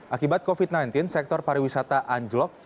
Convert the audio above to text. akibat covid sembilan belas sektor pariwisata anjlok